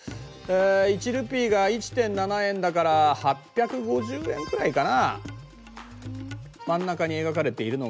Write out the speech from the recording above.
１ルピーが１．７円だから８５０円くらいかな。